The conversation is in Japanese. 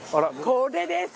これです！